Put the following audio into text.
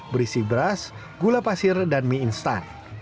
berisi beras gula pasir dan mie instan